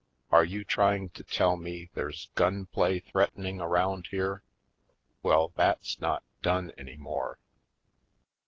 "Are you trying to tell me there's gun play threatening around here? Well, that's not done any more!"